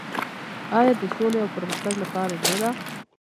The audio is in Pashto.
آیا د سولې او پرمختګ لپاره نه ده؟